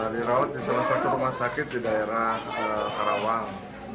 dirawat di salah satu rumah sakit di daerah karawang